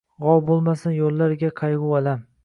G‘ov bo‘lmasin yo‘llariga qayg‘u, alam.